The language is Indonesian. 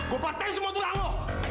gue patahin semua tulang lo